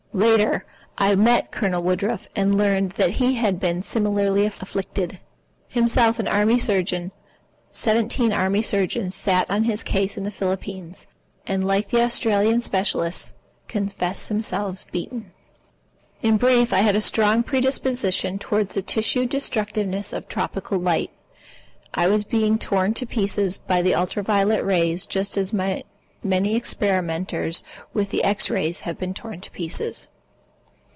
Later, I met Colonel Woodruff, and learned that he had been similarly afflicted. Himself an Army surgeon, seventeen Army surgeons sat on his case in the Philippines, and, like the Australian specialists, confessed themselves beaten. In brief, I had a strong predisposition toward the tissue destructiveness of tropical light. I was being torn to pieces by the ultra violet rays just as many experimenters with the X ray have been torn to pieces.